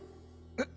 ・えっ！